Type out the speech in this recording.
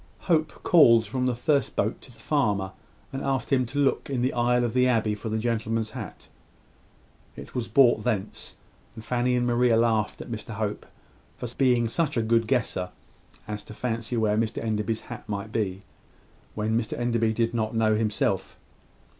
Hope called from the first boat to the farmer, and asked him to look in the aisle of the abbey for the gentleman's hat. It was brought thence; and Fanny and Mary laughed at Mr Hope for being such a good guesser as to fancy where Mr Enderby's hat might be, when Mr Enderby did not know himself.